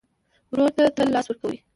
ورور ته تل لاس ورکوې.